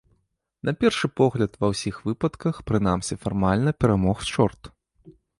На першы погляд ва ўсіх выпадках, прынамсі фармальна, перамог чорт.